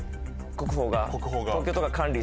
国宝が。